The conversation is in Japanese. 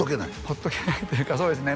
ほっとけないというかそうですね